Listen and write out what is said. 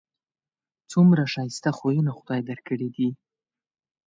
څومره ښایسته خویونه خدای در کړي دي